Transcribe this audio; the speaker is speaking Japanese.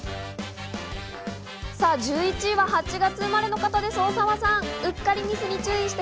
１１位は８月生まれの方です、大沢さん。